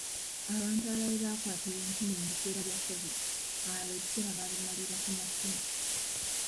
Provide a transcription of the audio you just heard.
Abantu abalala we baakwatira enkumbi mu biseera bya Kovidi, abalala ebiseera baabimalira ku masimu.